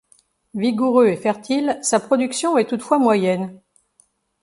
Vigoureux et fertile sa production est toutefois moyenne.